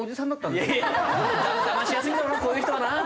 だましやすいんだろうなこういう人はな。